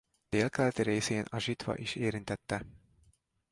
Délkeleti részén a Zsitva is érintette.